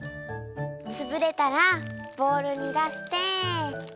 つぶれたらボウルにだして。